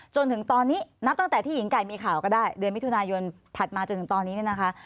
จนถึงตอนนี้นับตั้งแต่ที่หญิงไก่มีข่าวก็ได้เดือนมิถุนายนถัดมาจนถึงตอนนี้เนี่ยนะคะ